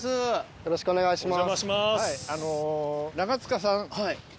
よろしくお願いします。